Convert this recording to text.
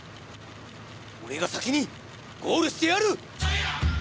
俺が先にゴールしてやる！